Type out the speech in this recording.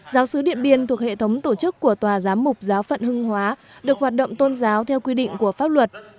giáo sứ điện biên thuộc hệ thống tổ chức của tòa giám mục giáo phận hưng hóa được hoạt động tôn giáo theo quy định của pháp luật